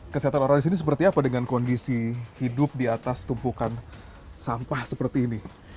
kesehatan orang di sini seperti apa dengan kondisi hidup di atas tumpukan sampah seperti ini